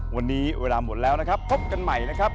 วันนี้เวลาหมดแล้วนะครับพบกันใหม่นะครับ